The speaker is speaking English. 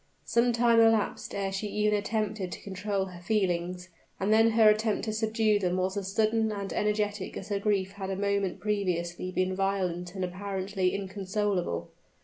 Some time elapsed ere she even attempted to control her feelings; and then her struggle to subdue them was as sudden and energetic as her grief had a moment previously been violent and apparently inconsolable.